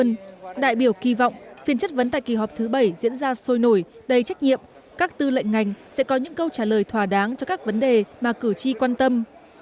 nhưng đại biểu kỳ vọng phiền chất vấn tại kỳ họp thứ bảy diễn ra sôi nổi đầy trách nhiệm các tư lệnh ngành sẽ có những câu trả lời thỏa đáng cho các vấn đề mà cử tri quan tâm